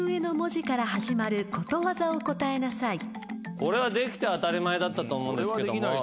これはできて当たり前だったと思うんですけども。